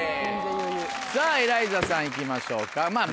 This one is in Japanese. さぁエライザさんいきましょうか。